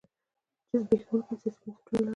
چې زبېښونکي سیاسي بنسټونه لرل.